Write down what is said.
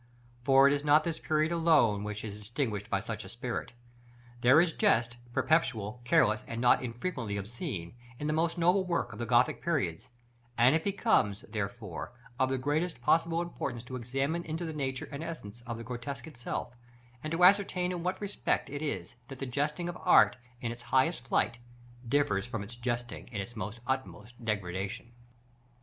For it is not this period alone which is distinguished by such a spirit. There is jest perpetual, careless, and not unfrequently obscene in the most noble work of the Gothic periods; and it becomes, therefore, of the greatest possible importance to examine into the nature and essence of the Grotesque itself, and to ascertain in what respect it is that the jesting of art in its highest flight, differs from its jesting in its utmost degradation.